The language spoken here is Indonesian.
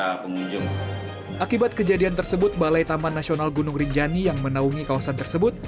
akibat kejadian tersebut balai taman nasional gunung rinjani yang menaungi kawasan tersebut